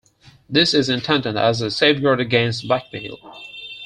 This is intended as a safeguard against blackmail.